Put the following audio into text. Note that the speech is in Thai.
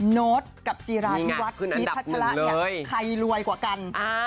โน๊ตกับจีราร์ธิวัดพีทธัชนะอย่างใครรวยกว่ากัน